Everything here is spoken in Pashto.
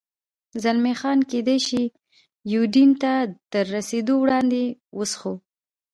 زلمی خان: کېدای شي یوډین ته تر رسېدو وړاندې، وڅښو.